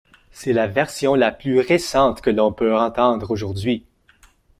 C’est la version la plus récente que l’on peut entendre aujourd’hui.